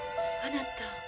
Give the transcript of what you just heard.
あなた。